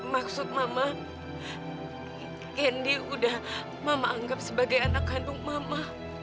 maksud mama hendy udah mama anggap sebagai anak kandung mama